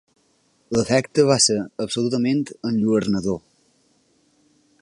L'efecte va ser absolutament enlluernador.